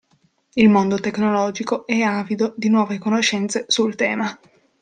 Il mondo tecnologico è avido di nuove conoscenze sul tema.